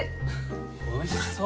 おいしそう！